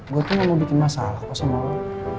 gue tuh gak mau bikin masalah kok sama lo